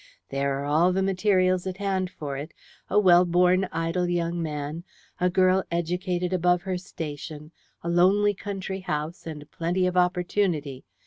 There are all the materials at hand for it a well born idle young man, a girl educated above her station, a lonely country house, and plenty of opportunity.